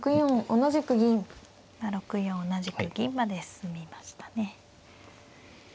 同じく銀まで進みましたね。